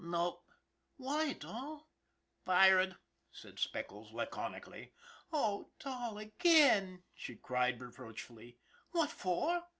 " Nope." "Why, Dol?" " Fired," said Speckles laconically. "Oh, Dol, again!" she cried reproachfully. "What for?"